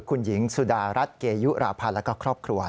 คุณหญิงสุดารัฐเกยุราพันธ์และก็ครอบครัว